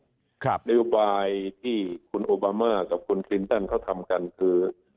นโยบายที่คุณโอบามากับคุณคลินตันเขาทำกันคือ